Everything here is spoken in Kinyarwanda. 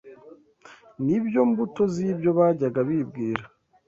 nibyo mbuto z’ibyo bajyaga bibwira.